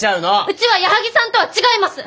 うちは矢作さんとは違います！